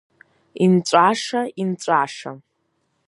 Инҵәаша, инҵәаша!